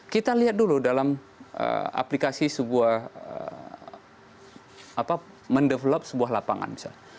kita lihat dulu dalam aplikasi sebuah mendevelop sebuah lapangan misalnya